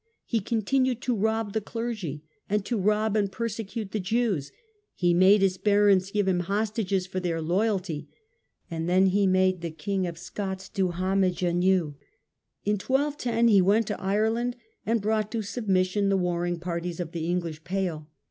He continued to rob the clergy, and to rob and persecute the Jews; he made his barons give him hostages for their loyalty, and then he made the King of Scots do homage anew. In 1 210 he went to Ireland, and brought to submission the warring parties of the English pale.